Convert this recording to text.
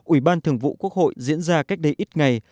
ủy ban thường vụ quốc hội diễn ra cách đây ít ngày